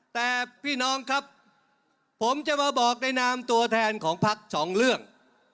แต่พี่น้องครับผมจะมาบอกในนามตัวแทนของพักสองเรื่อง